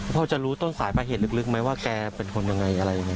พ่อจะรู้ต้นสายประเหตุลึกไหมว่าแกเป็นคนยังไง